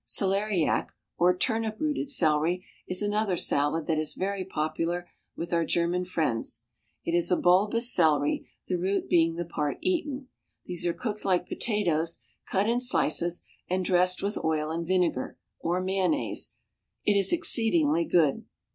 Celeriac, or turnip rooted celery is another salad that is very popular with our German friends; it is a bulbous celery, the root being the part eaten; these are cooked like potatoes, cut in slices, and dressed with oil and vinegar, or mayonnaise, it is exceedingly good.